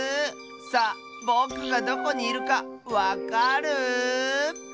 さあぼくがどこにいるかわかる？